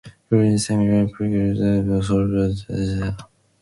Currently semi-empirical methods can be applied to molecules as large as whole proteins.